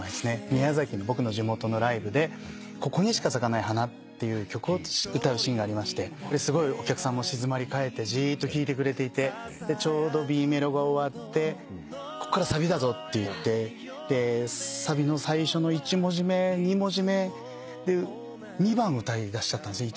宮崎の僕の地元のライブで『ここにしか咲かない花』っていう曲を歌うシーンがありましてすごいお客さんも静まりかえってじーっと聴いてくれていてちょうどＢメロが終わってこっからサビだぞっていってサビの最初の１文字目２文字目２番歌いだしちゃったんですね